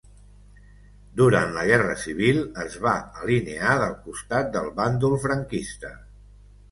Durant la Guerra Civil es va alinear del costat del Bàndol franquista.